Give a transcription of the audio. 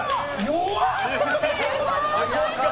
弱っ！